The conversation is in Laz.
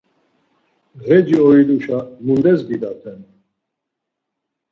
Ğeci oiluşa mundes bidaten?